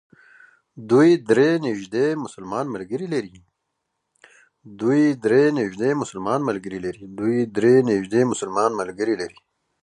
دوی درې نژدې مسلمان ملګري لري.